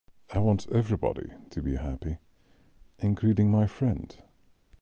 I want everybody to be happy, including my friend.